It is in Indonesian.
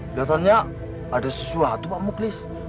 kelihatannya ada sesuatu pak muklis